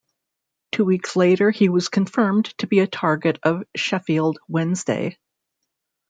Two weeks later he was confirmed to be a target of Sheffield Wednesday.